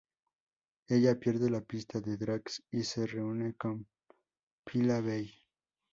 Ella "pierde la pista" de Drax y se reúne con Phyla-Vell.